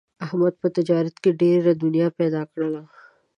احمد په تجارت کې ډېره دنیا پیدا کړله.